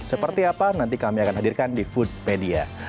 seperti apa nanti kami akan hadirkan di foodpedia